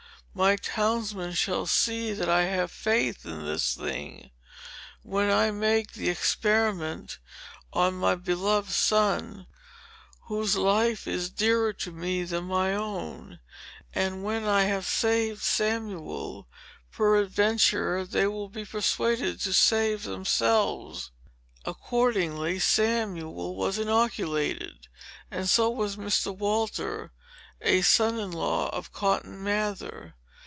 "My townsmen shall see that I have faith in this thing, when I make the experiment on my beloved son, whose life is dearer to me than my own. And when I have saved Samuel, peradventure they will be persuaded to save themselves." Accordingly, Samuel was inoculated; and so was Mr. Walter, a son in law of Cotton Mather.